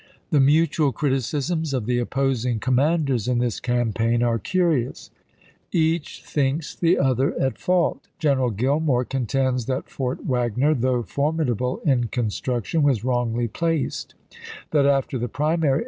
The mutual criticisms of the opposing com manders in this campaign are curious ; each thinks the other at fault. General Gillmore contends "En meer that Fort Wagner, though formidable in construc Artniery tion was wrongly placed; that after the primary tums?"